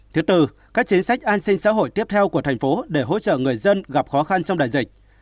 thứ tư các chính sách an sinh xã hội tiếp theo của thành phố để hỗ trợ người dân gặp khó khăn trong đại dịch